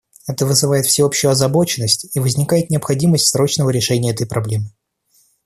Это вызывает всеобщую озабоченность, и возникает необходимость срочного решения этой проблемы.